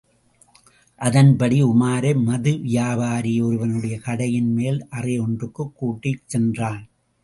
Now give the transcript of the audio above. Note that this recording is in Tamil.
அதன்படி உமாரை மது வியாபாரி ஒருவனுடைய கடையின் மேல் அறையொன்றுக்கு கூட்டிச் சென்றான்.